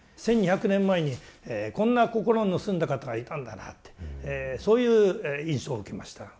１２００年前にこんな心の澄んだ方がいたんだなってそういう印象を受けました。